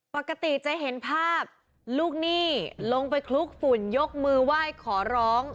ปกติจะเห็นภาพลูกหนี้ลงไปคลุกฝุ่นยกมือไหว้ขอร้อง